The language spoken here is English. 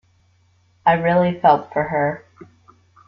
I really felt for her.